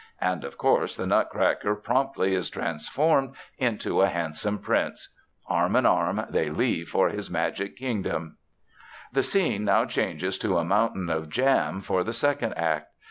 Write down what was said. And of course, the Nutcracker promptly is transformed into a handsome prince. Arm in arm, they leave for his magic kingdom. The scene now changes to a mountain of jam for the second act.